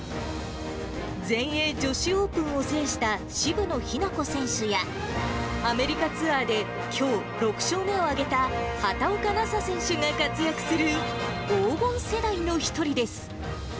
全英女子オープンを制した渋野日向子選手や、アメリカツアーで、きょう、６勝目を挙げた畑岡奈紗選手が活躍する黄金世代の１人です。